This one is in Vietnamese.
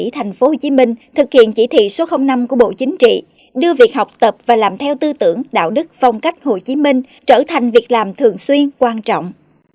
tp hcm thực hiện chỉ thị số năm của bộ chính trị đưa việc học tập và làm theo tư tưởng đạo đức phong cách hồ chí minh trở thành việc làm thường xuyên quan trọng